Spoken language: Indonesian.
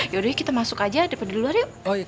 yaudah kita masuk aja daripada luar yuk